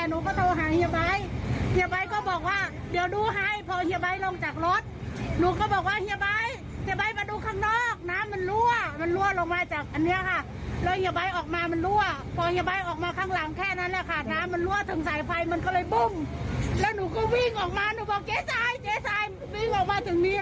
วิ่งออกมาถึงนี้แหละค่ะ